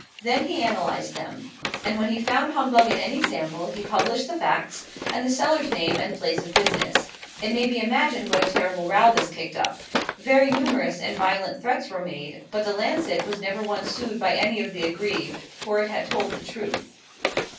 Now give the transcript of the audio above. Then he analyzed them; and when he found humbug in any sample, he published the facts, and the seller's name and place of business. It may be imagined what a terrible row this kicked up. Very numerous and violent threats were made; but the "Lancet," was never once sued by any of the aggrieved, for it had told the truth.